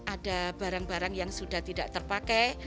ada barang barang yang sudah tidak terpakai